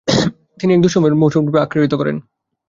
তিনি একে ‘দুঃস্বপ্নের মৌসুমরূপে’ আখ্যায়িত করেন।